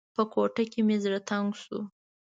په کوټه کې مې زړه تنګ شو.